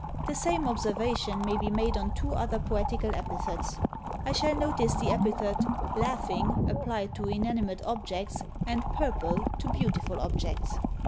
The same observation may be made on two other poetical epithets. I shall notice the epithet "LAUGHING" applied to inanimate objects; and "PURPLE" to beautiful objects."